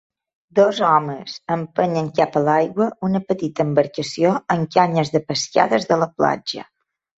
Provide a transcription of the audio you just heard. Dos homes empenyen cap a l'aigua una petita embarcació amb canyes de pescar des de la platja.